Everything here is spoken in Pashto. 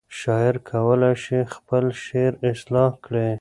شاعر کولی شي خپل شعر اصلاح کړي.